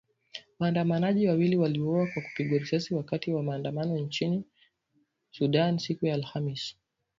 Waandamanaji wawili waliuawa kwa kupigwa risasi wakati wa maandamano nchini Sudan siku ya Alhamis